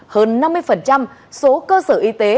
hơn năm mươi số cơ sở y tế